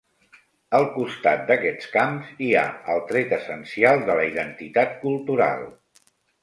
Al costat d’aquests camps, hi ha el tret essencial de la identitat cultural.